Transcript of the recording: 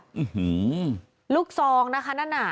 อื้อฮือลูกซองนะคะนั่นน่ะ